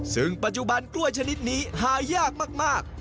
ซึ่งปัจจุบันกล้วยชนิดนี้หายากมาก